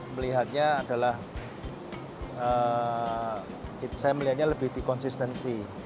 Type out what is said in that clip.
melihatnya adalah saya melihatnya lebih di konsistensi